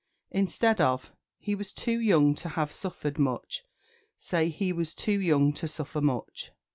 Instead of "He was too young to have suffered much," say "He was too young to suffer much."